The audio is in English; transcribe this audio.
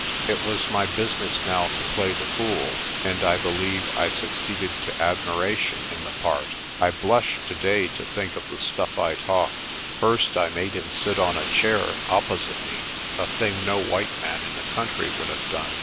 It was my business now to play the fool, and I believe I succeeded to admiration in the part. I blush today to think of the stuff I talked. First I made him sit on a chair opposite me, a thing no white man in the country would have done.